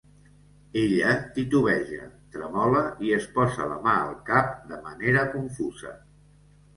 Ella titubeja, tremola i es posa la mà al cap de manera confusa.